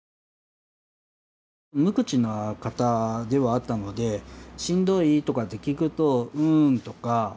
無口な方ではあったので「しんどい？」とかって聞くと「うん」とか。